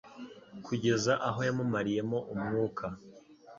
kugeza aho yamumariyemo umwuka